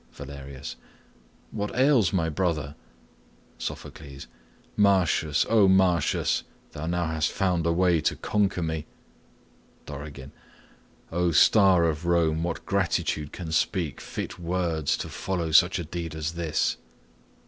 Valerius. What ails my brother? Sophocles. Martius, O Martius, Thou now hast found a way to conquer me. Dorigen. O star of Rome! what gratitude can speak Fit words to follow such a deed as this?